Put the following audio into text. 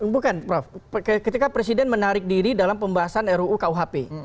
bukan prof ketika presiden menarik diri dalam pembahasan ruu kuhp